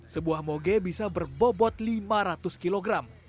sebuah moge bisa berbobot lima ratus kg